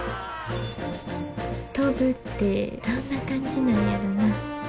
飛ぶってどんな感じなんやろな。